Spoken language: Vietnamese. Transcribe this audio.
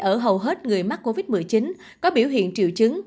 ở hầu hết người mắc covid một mươi chín có biểu hiện triệu chứng